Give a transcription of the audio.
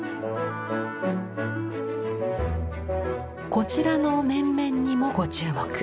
こちらの面々にもご注目。